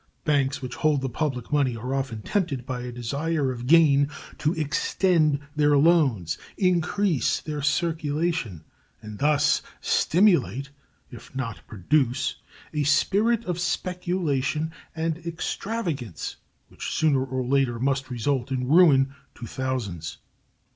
Banks which hold the public money are often tempted by a desire of gain to extend their loans, increase their circulation, and thus stimulate, if not produce, a spirit of speculation and extravagance which sooner or later must result in ruin to thousands.